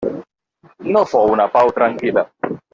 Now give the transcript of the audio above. No fou una pau tranquil·la.